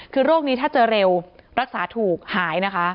คือโรคนี้ถ้าเจอเร็วรักษาถูกหายนะคะ